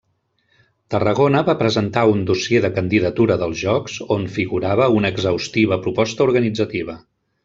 Tarragona va presentar un dossier de candidatura dels Jocs on figurava una exhaustiva proposta organitzativa.